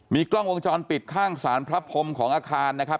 กล้องวงจรปิดข้างสารพระพรมของอาคารนะครับ